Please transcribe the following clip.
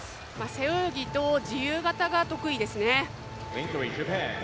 背泳ぎと自由形が得意ですね。